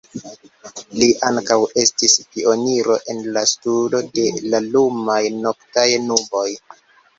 Li ankaŭ estis pioniro en la studo de la lumaj noktaj nuboj.